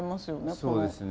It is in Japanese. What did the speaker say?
そうですね。